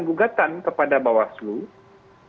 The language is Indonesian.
pemilu yang terkasih adalah penggunaan kekuatan